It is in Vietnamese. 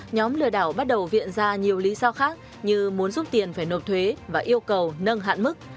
nhóm lừa đảo bắt đầu viện ra nhiều lý do khác như muốn rút tiền phải nộp thuế và yêu cầu nâng hạn mức